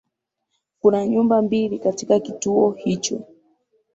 Kuna nyumba mbili katika kituo hicho